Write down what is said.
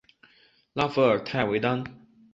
拉弗尔泰维当。